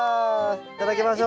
いただきましょう。